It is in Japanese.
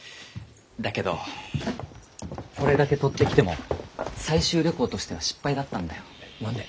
だけどこれだけ採ってきても採集旅行としては失敗だったんだよ。何で？